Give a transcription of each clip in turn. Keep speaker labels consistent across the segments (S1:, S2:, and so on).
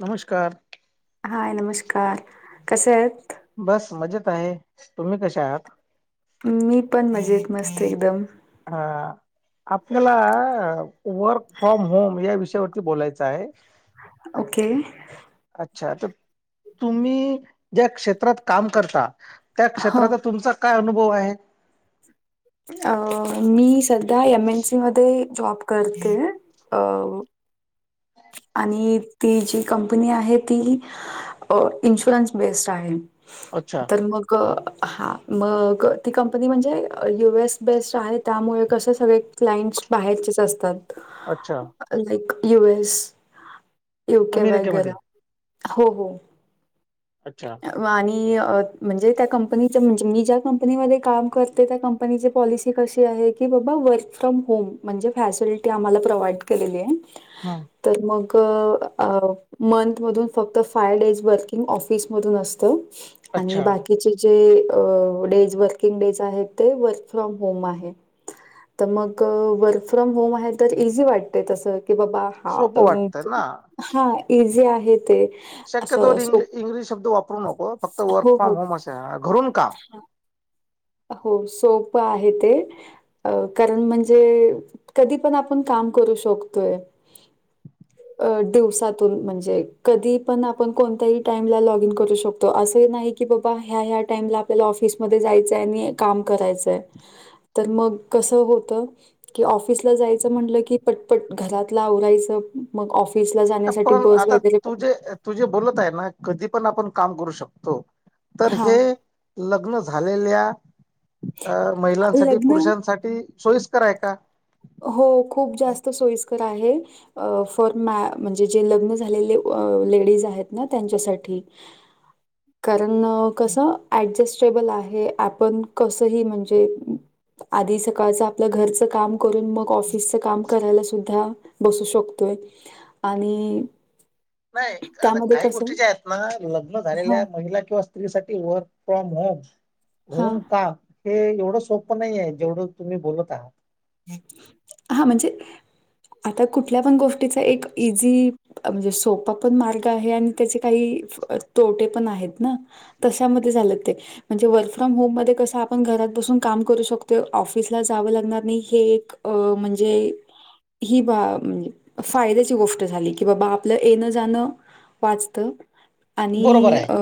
S1: नमस्कार!
S2: हा नमस्कार. कसे आहेत?
S1: बस मजेत आहे. तुम्ही कशा आहात?
S2: मी पण मजेत मस्त एकदम.
S1: हा. आपल्याला वर्क फ्रॉम होम या विषयावरती बोलायचं आहे.
S2: ओके.
S1: अच्छा. तर तुम्ही ज्या क्षेत्रात काम करता- त्या
S2: हा
S1: क्षेत्राचा तुमचा काय अनुभव आहे?
S2: आ. मी सध्या एम एन सी मध्ये जॉब करते. अ- आणि ती जी कंपनी आहे ती इन्शुरन्स बेस्ड आहे.
S1: अच्छा
S2: पण मग- -ग. हां. मग ती कंपनी म्हणजे यु एस बेस्ड आहे त्यामुळे कसं सगळे- क्लाइंट्स बाहेरचेच असतात.
S1: अच्छा.
S2: [unintelligible] यु एस, यु के वगैरा.
S1: अमेरिकेमध्ये
S2: हो हो.
S1: अच्छा
S2: आणि म्हणजे त्या कंपनीच म्हणजे मी ज्या कंपनीमध्ये काम करते त्या कंप नी पॉलिसी कशी आहे. की बाबा वर्क फ्रॉम होम म्हणजे फॅसिलिटी आम्हाला प्रोव्हाइड केलेली आहे.
S1: हम.
S2: तर मग मंथ मधून फक्त फाय डेज वर्किंग ऑफ स मधून असत. आणि
S1: अच्छा
S2: बाकी तिचे जे डेज वर्किंग डेज आहेत. ते वर्क फ्रॉम होम आहे. ‌ तर मग वर्क फ्रॉम होम आहे. तर इझी वाटते तसं की बाबा हा
S1: सोपं वाटतं ना
S2: हा इझी आहे. ते असं
S1: शक्यतोवर्
S2: सोप
S1: इंग्लिश शब्द वापरू नको फक्त वर्क
S2: हो,
S1: फ्रॉम
S2: हो.
S1: होम असे. घरून काम
S2: हो सोप आहे. ते अ कारण म्हणजे कधी पण आपण काम करू शकतोय. [unintelligible] अ दिवसातून म्हणजे कधी पण आपण कोणत्याही टाईमला लॉग इन करू शकतो. असं नाही-' की बाबा ह्या ह्या टाईमला आपल्याला ऑफिसमध्ये जायचंय. आणि काम करायचंय तर मग कसं होत. कि ऑफिस ला जायचं म्हटलं कि पटपट घरातला आवरायचं मग ऑफिस ला जाण्यासाठी बस वगैरे प
S1: तु जे बोलत आहे ना, कधी पण आपण काम करू शकतो. तर
S2: हा
S1: हे लग्न झालेल्या अ महिलांसाठी
S2: लग्न
S1: पुरुषांसाठी सोईस्कर आहे का?
S2: हो खूप जास्त सोयीस्कर आहे. अ फर मॅ म्हणजे जे लग्न झालेले लेडीज आहेत. ना त्यांच्यासाठी [unintelligible] कारण कसं ऍडजस्टेबल आहे. आपण कसंही म्हणजे आधी सकाळचं आपलं घरचं काम करून मग ऑफिसच काम करायला. सुद्धा बसू शकतोय आणि
S1: नाही आता
S2: त्यामध्ये
S1: काही
S2: कसं
S1: गोष्टी ज्या आहेत. ना लग्न
S2: हां,
S1: झालेल्या महिला किंवा स्त्री साठी वर्क फ्रॉम होम
S2: हां,
S1: घरून काम हे एवढं सोपं नाही आहे. जेवढं तुम्ही बोलत आहात.
S2: हा म्हणजे आता कुठल्या पण गोष्टीचा एक इझी म्हणजे सोपा पण मार्ग आहे. आणि त्याचे काही तोटे पण आहेत ना? तशामध्ये झालं ते म्हणजे वर्क फ्रॉम होम मध्ये कस आपण घरात बसून काम करू शकतो. ऑफिसला जावं लागणार नाही. हे एक अ म्हणजे ही बा म्हणजे फायद्याची गोष्ट झाली. की बाबा आपलं येणं जाणं वाचत
S1: बरोबर
S2: आणि
S1: आहे
S2: अ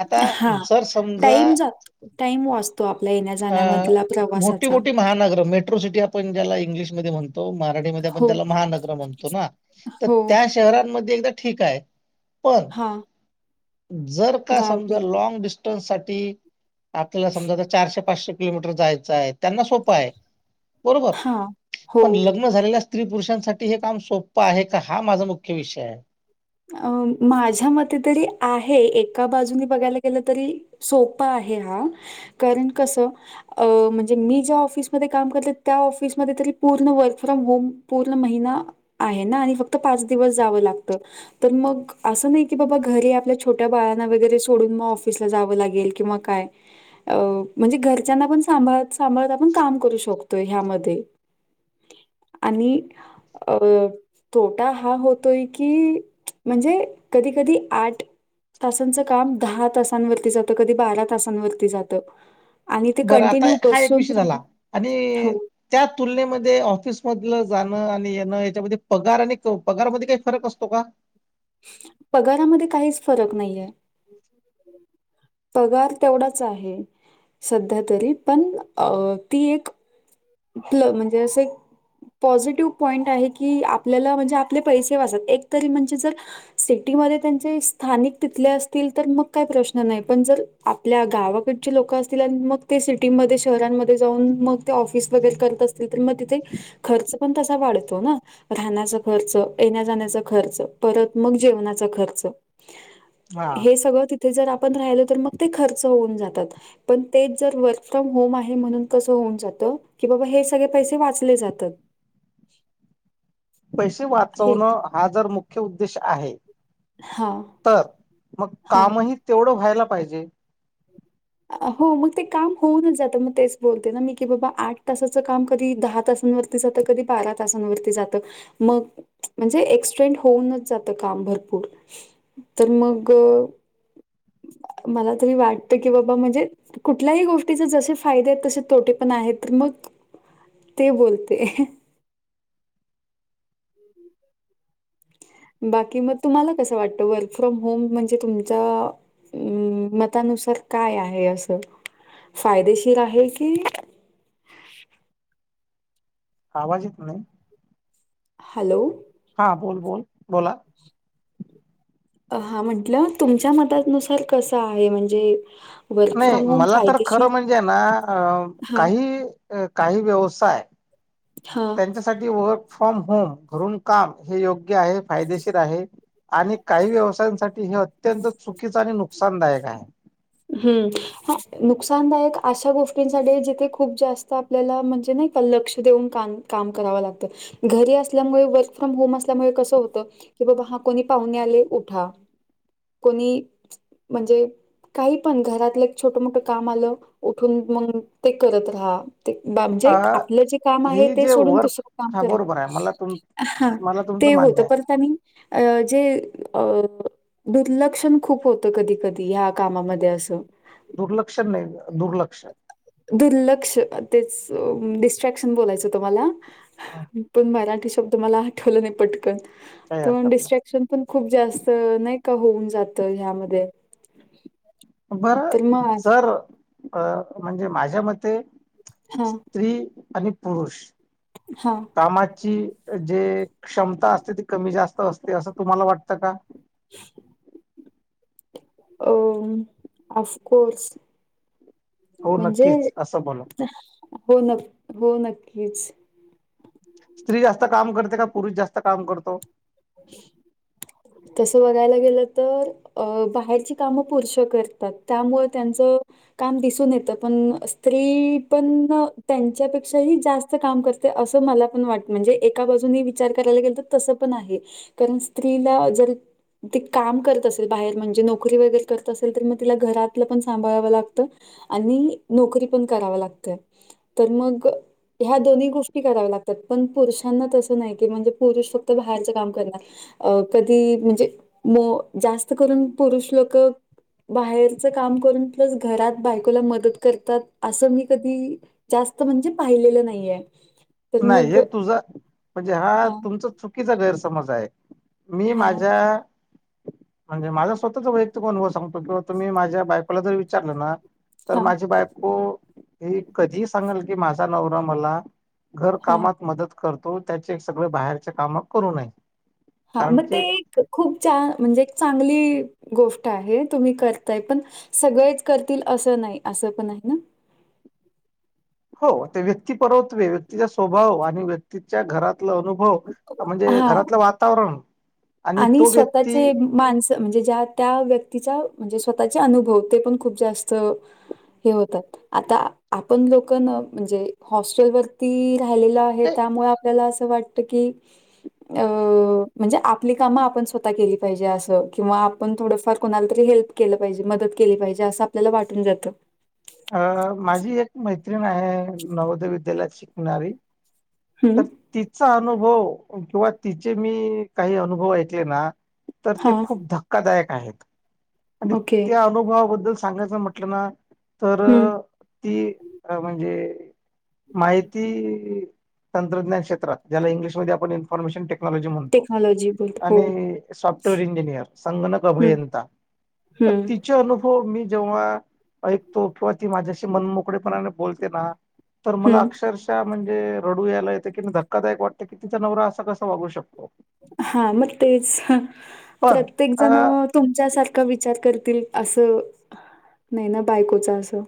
S1: आता
S2: हा
S1: जर समजा
S2: टाईम जात. टाईम वाच तो आपल्या येण्या
S1: अ
S2: जाण्यामधला
S1: मोठी
S2: प्रवासाचा.
S1: मोठी महानगर मेट्रो सिटी आप पण ज्याला इंग्लिशमध्ये म्हणतो. मराठीमध्ये आपण
S2: हो,
S1: त्याला महानगर म्हणतो. ना तर
S2: हो.
S1: त्या शहरांमध्ये एकदा ठिक आहे. पण
S2: हां,
S1: जर
S2: गावी
S1: लॉग डिस्टनसाठी आपल्या समजा चारशे पाचशे किलोमीटर जायचं आहे. त्यांना सोपं आहे बरोबर
S2: हां,
S1: पण
S2: हो.
S1: लग्न झालेल्या स्त्री पुरुषांसाठी हे काम सोप्पं आहे का? हा माझा मुख्य विषय आहे.
S2: अ माझ्या मते तरी आहे, एका बाजूंनी बघायला गेलं तरी सोप्पं आहे हा, कारण कसं अ म्हणजे मी ज्या ऑफिसमध्ये काम करते त्या ऑफिसमध्ये तरी पूर्ण वर्क फ्रॉम होम पूर्ण महिना आहे ना आणि फक्त पाच दिवस जावं लागतं तर मग असं नाही की बाबा घरी आपल्या छोट्या बाळांना वगैरे सोडून मग ऑफिसला जावं लागेल किंवा काय अ म्हणजे घरच्यांना पण सांभाळत सांभाळत आपण काम करू शकतोय ह्यांमध्ये आणि अं तोटा हा होतोय की म्हणजे कधी कधी आठ तासांचं काम दहा तासांवरती जात, कधी बारा तासांवरती जात आणि ते
S1: बरं आता
S2: कंटिन्यू
S1: हा एक
S2: बसून
S1: विषय झाला
S2: हो
S1: आणि त्या तुलनेमध्ये ऑफिस मधलं जाणं आणि येणं यांच्यामध्ये पगार आणि पगारमध्ये काही फरक असतो का?
S2: पगारामध्ये काहीच फरक नाहीये. पगार तेवढाच आहे सध्या तरी, पण ती एक इतलं म्हणजे असं एक पॉझिटिव्ह पॉईंट आहे की आपल्याला म्हणजे आपले पैसे वाचतात एकतरी म्हणजे जर सिटीमध्ये त्यांचे स्थानिक तिथले असतील तर मग काही प्रश्न नाही, पण जर आपल्या गावाकडची लोक असतील आणि मग ते सिटीमध्ये, शहरांमध्ये जाऊन मग ते ऑफिस वगैरे करत असतील तर मग तिथे खर्च पण तसा वाढतो ना? राहण्याचा खर्च, येण्या जाण्याचा खर्च, परत मग जेवणाचा खर्च
S1: हा
S2: हे सगळं तिथे जर आपण राहिलो तर मग ते खर्च होऊन जातात पण तेच जर वर्क फ्रॉम होम आहे म्हणून कसं होऊन जातं कि बाबा हे सगळे पैसे वाचले जातात.
S1: पैसे
S2: हे
S1: वाचवणं हा जर मुख्य उद्देश आहे
S2: हां,
S1: तर मग
S2: हां.
S1: कामही तेवढं व्हायला पाहिजे.
S2: हो मग ते काम होऊनच जातं म तेच बोलते ना मी की बाबा आठ तासाचं काम कधी दहा तासांवर जात कधी बारा तासांवरती जात, मग म्हणजे एक्सटेंड होऊनच जातं काम भरपूर. तर मग मला तरी वाटत की बाबा म्हणजे कुठल्याही गोष्टीचे जसे फायदे आहेत तसे तोटे पण आहेत, तर मग ते बोलते. बाकी मग तुम्हाला कसं वाटतं वर्क फ्रॉम होम म्हणजे तुमचा हम्म मतानुसार काय आहे असं? फायदेशीर आहे की
S1: आवाज इत नाही?
S2: हॅलो.
S1: हा बोल बोल बोला.
S2: हा म्हंटलं तुमच्या मतानुसार कसं आहे? म्हणजे वर्क
S1: नाही
S2: फ्रॉम होम
S1: मला तर
S2: फायदेशीर
S1: खरं म्हणजे ना अ
S2: हां,
S1: काही काही व्यवसाय
S2: हां.
S1: त्यांच्यासाठी वर्क फ्रॉम होम घरून काम हे योग्य आहे, फायदेशीर आहे आणि काही व्यवसायांसाठी हे अत्यंत चुकीचं आणि नुकसानदायक हाय.
S2: हम्म. हा नुकसानदायक अशा गोष्टींसाठी जिथे खूप जास्त आपल्याला म्हणजे नाही का लक्ष देऊन काम काम करावं लागतं, घरी असल्यामुळे वर्क फ्रॉम होम असल्यामुळे कसं होतं कि बाबा हा कोणी पाहुणे आले उठा, कोणी म्हणजे काही पण घरातलं एक छोट मोठं काम आलं उठून मग ते करत राहा ते बा जे
S1: अ
S2: आपलं जे काम आहे
S1: ही
S2: ते
S1: जे
S2: सोडून
S1: वर्क
S2: दुसरं काम
S1: हा
S2: करा.
S1: बरोबर आहे मला तुम
S2: हा
S1: मला
S2: ते
S1: तुमचं मान्य
S2: होतं
S1: आहे
S2: परतानी. अ जे अ दुर्लक्षण खूप होत कधी कधी ह्या. कामामध्ये असो.
S1: दुर्लक्ष नाही दुर्लक्ष.
S2: दुर्लक्ष तेच डिस्ट्रॅक्शन बोलायचं तुम्हाला.
S1: हं,
S2: पण मलाठी शब्द म आठव नाही
S1: काही
S2: पटकन
S1: हरकत
S2: डिस्ॅ
S1: नाही
S2: शिक्ण पण खूप जास्त नाही का होऊन जात ह्यामध्ये. तर
S1: बरं
S2: मग
S1: जर अ म्हणजे माझ्या मते.
S2: हा
S1: स्त्री आणि पुरुष.
S2: हा.
S1: कामाची जे क्षमता असते ती कमी जास्त असते असं तुम्हाला वाटतं का.
S2: बछ अ अफकोर्स.
S1: हो
S2: म्हणजे
S1: नक्कीच असं बोला.
S2: हो न हो नक्कीच.
S1: स्त्री जास्त काम करते का पुरुष जास्त काम करतो.
S2: कस बघायला गेलं तर. अ बाहेरची कामं पुरुष करतात त्यामुं त्यांचं. काम दिसून येत पण स्त्री पण त्यांच्यापेक्षाही जास्त. काम करते असं मला पण वाट म्हणजे एका बाजूनी विचार करायला गेल तर तसं पण आहे. कारण स्त्रीला जर. ती काम करत असेल बाहेर म्हणजे नोकरी वगैरे करत असेल तर मग तिला घरातलं पण सांभाळावं लागतं. आणि नोकरी पण कराव लागतय तर मग. ह्या दोन्ही गोष्टी कराव्या लागतात पण पुरुषांना तसं नाही की म्हणजे पुरुष फक्त बाहेर काम. अ कधी म्हणजे जास्त करून पुरुष लोक. बाहेरच काम करून प्लस घरात बायकोला मदत करतात असं मी कधी. जास्त म्हणजे पाहिलेलं नाहीये. तर
S1: नाही
S2: मग
S1: हे तुझा म्हणजे हा
S2: हां,
S1: तुमचा चुकीचा गैरसमज आहे. मी
S2: हां,
S1: माझ्या म्हणजे माझा स्वतःच वैयक्तीक. सांगतो किंवा तुम्ही माझ्या बायकोला जर विचारलं ना तर
S2: हां,
S1: माझी बायको. हे कधी सांगाल की माझा नवरा मला. घर
S2: हां,
S1: कामात मदत करतो त्याचे सगळे बाहेरच्या काम करू नये.
S2: हा
S1: कारण
S2: मग ते
S1: की
S2: एक खूप म्हणजे एक चांगली गोष्ट आहे तुम्ही करताय पण. सगळेच करतील असं नाही असं पण नाही ना.
S1: हो ते व्यक्ती परवतवे व्यक्तीचा स्वभाव आणि व्य तिच्या घरातलं अनुभव म्हणजे
S2: हां.
S1: घरातलं वातावरण.
S2: आणि
S1: तो व्यक्ती
S2: स्वतःचे माणसं म्हणजे ज्या त्या व्यक्तीचा म्हणजे स्वतःचे अनुभव ते पण खूप जास्त. हे होतात आता आपण लोक ना म्हणजे हॉस्टेलवर. रा आहे त्यामुळे आपल्याला अस वाटत की अ म्हणजे आपली कामं आपण स्वतः केली पाहिजे असं किंवा आपण थोडंफार कोणाला तरी हेल्प केलं पाहिजे मदत केली पाहिजे असं. आपल्याला वाटून जातं.
S1: अ माझी एक मैत्रिण आहे नवोदय विद्यालयात शिकणारी.
S2: हं,
S1: तर तिचा अनुभव किंवा तिचे मी काही अनुभव ऐकले ना. तर ते
S2: हां,
S1: खूप धक्कादायक आहेत. आणि
S2: ओके.
S1: त्या अनुभवाबद्दल सांगायचं म्हटलं ना तर
S2: हं,
S1: ती म्हणजे माहिती तंत्रज्ञान क्षेत्रात ज्याला इग्लिश मध्ये आपण इनफॉर्मेशन टेक्नॉलॉजी टेक्नॉलॉजी म्हणतो
S2: टेक्नॉलॉजी बोलतो. हो.
S1: आणि सॉफ्टवेअर इंजिनियर संगणक
S2: हं,
S1: अभियंता तर
S2: हं,
S1: तिचे अनु हो मी जेव्हा ऐकतो किंवा ती माझ्याशी मन मोोकळेपणाने बोलते ना तर मला
S2: हं.
S1: अक्षरशः म्हणजे रडू यायला कि धक्कादायक वाटतं की तिचा नवरा असा कसा वागू शकतो
S2: हा मग तेच
S1: पण
S2: प्रत्येक
S1: अ
S2: जण तुमच्यासारखा विचार करतील असं नाही ना बायकोचा असं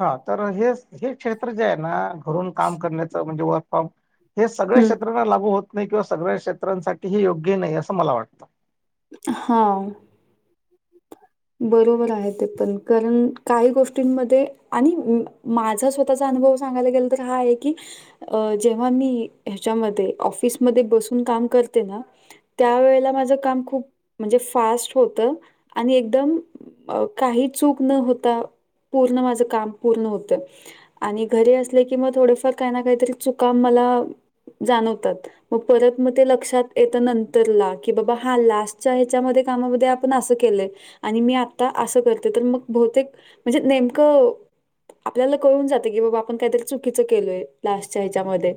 S1: हा तर हे हे क्षेत्र जे आहे ना घरून काम करण्याचं म्हणजे वर्क फ्रॉम हे सगळ्या
S2: हं,
S1: क्षेत्रांना लागू होत नाही किंवा सगळ्या क्षेत्रांसाठी योग्य नाही असं मला वाटतं
S2: हा.. बरोबर आहे ते पण करण काही गोष्टींमध्ये आणि माझा स्वतःचा अनुभव सांगायला गेला तर हा आहे की अ जेव्हा मी ह्याच्यामध्ये ऑफिसमध्ये बसून काम करते ना त्या वेळेला माझं काम खूप म्हणजे फास्ट होतं आणि एकदम काही चूक न होता पूर्ण माझ काम पूर्ण होत.. आणि घरी असले की मग थोडेफार काही ना काहीतरी चुका मला जाणवतात मग परत मग ते लक्षात येत नंतरला की बाबा हा लास्टच्या ह्याच्या का ण असं केलंय आणि मी आता असं करते तर मग बहुतेक म्हणजे नेमकं आपल्याला कळून जाते की बाबा आपण काहीतरी चुकीचं केलोय लास्टच्या ह्याच्यामध्ये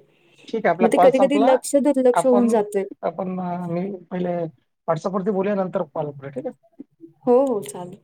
S1: ठीक आहे आपला
S2: मग ते कधी कधी लक्ष दुर्लक्ष होऊन जातय
S1: पण मी पहिले व्हॉट्सअप वरती बोलू नंतर कॉल पु ठीक आहे
S2: हो हो चालेल..